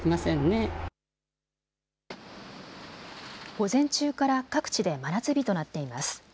午前中から各地で真夏日となっています。